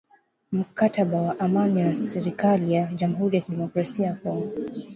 mkataba wa amani na serikali ya jamhuri ya kidemokrasia ya Kongo